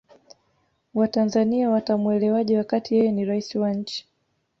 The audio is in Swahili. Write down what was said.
watanzania watamuelewaje wakati yeye ni raisi wa nchi